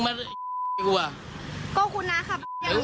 ว่าจะเป็นกล้องจรปิดกล้องมือถือ